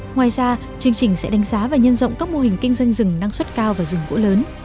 ngoài ra chương trình sẽ đánh giá và nhân rộng các mô hình kinh doanh rừng năng suất cao và rừng gỗ lớn